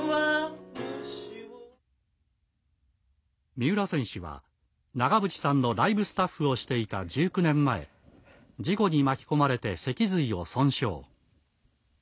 三浦選手は長渕さんのライブスタッフをしていた１９年前事故に巻き込まれて脊髄を損傷。